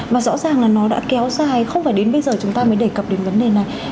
mà rõ ràng là nó đã kéo dài không phải đến bây giờ chúng ta mới đề cập đến vấn đề này